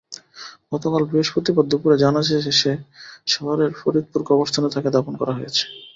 গতকাল বৃহস্পতিবার দুপুরে জানাজা শেষে শহরের ফরিদপুর কবরস্থানে তাঁকে দাফন করা হয়েছে।